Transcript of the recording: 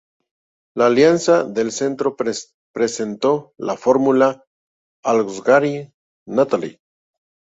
La Alianza de Centro presentó la fórmula Alsogaray-Natale.